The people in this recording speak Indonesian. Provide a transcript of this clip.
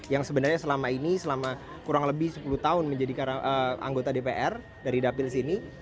yang sebenarnya selama ini selama kurang lebih sepuluh tahun menjadi anggota dpr dari dapil sini